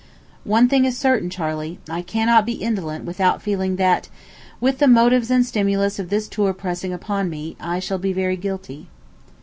One thing is certain, Charley; I cannot be indolent without feeling that, with the motives and stimulus of this tour pressing upon me, I shall be very guilty.